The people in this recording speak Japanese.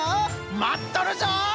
まっとるぞ！